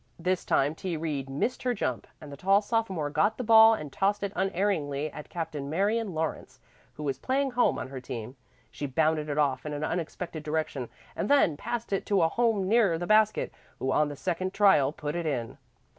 This time T. Reed missed her jump, and the tall sophomore got the ball and tossed it unerringly at Captain Marion Lawrence, who was playing home on her team. She bounded it off in an unexpected direction and then passed it to a home nearer the basket, who on the second trial put it in.